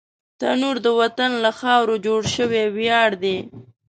تنور د وطن له خاورو جوړ شوی ویاړ دی